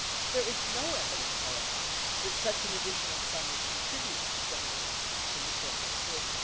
There is no evidence, however, that such an additional sum was contributed to Senator Humphrey from cor porate sources.